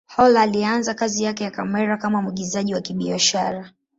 Hall alianza kazi yake ya kamera kama mwigizaji wa kibiashara.